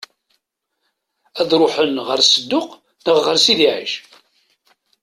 Ad ṛuḥen ɣer Sedduq neɣ ɣer Sidi Ɛic?